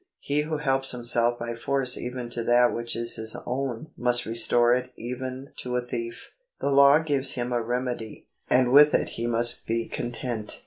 He who helps himself by force even to that which is his own must restore it even to a thief. The law gives him a remedy, and with it he must be content.